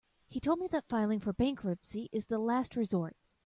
He told me that filing for bankruptcy is the last resort.